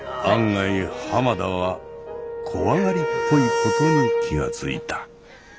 案外浜田は怖がりっぽいことに気が付いた。